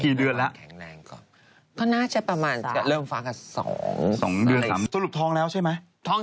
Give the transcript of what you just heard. ที่เดือนแล้วก็น่าจะประมาณเริ่มฟักกัน๒๓ปี